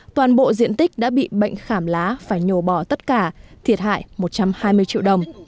toàn bộ diện tích đã bị bệnh khảm lá phải nhổ bỏ tất cả thiệt hại một trăm hai mươi triệu đồng